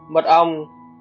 sáu mật ong